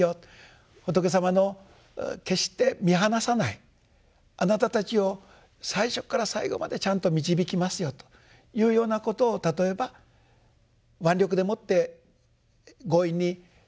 仏様の決して見放さないあなたたちを最初から最後までちゃんと導きますよというようなことを例えば腕力でもって強引にこの苦しみの世界から悟りの世界へ導くのではない。